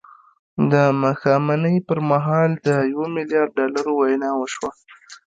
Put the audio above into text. د ماښامنۍ پر مهال د یوه میلیارد ډالرو وینا وشوه